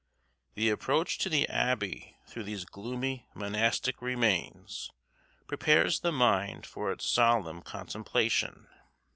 The approach to the abbey through these gloomy monastic remains prepares the mind for its solemn contemplation.